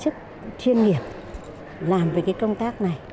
chức chuyên nghiệp làm về cái công tác này